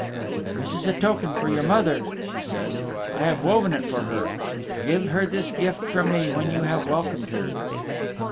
"This is a token for your mother," she said. "I have woven it for her. Give her this gift from me when you have welcomed her."